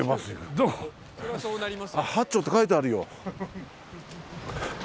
「八丁」って書いてあるよ。